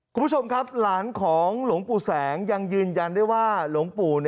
คุณผู้ชมครับหลานของหลวงปู่แสงยังยืนยันได้ว่าหลวงปู่